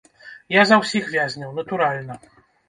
Я за ўсіх вязняў, натуральна.